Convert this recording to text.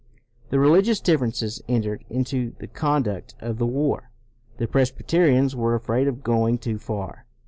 The religious differences entered into the conduct of the war. The Presbyterians were afraid of going too far.